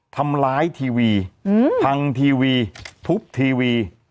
ทำร้ายทีวีพังทีวีทุบทีวี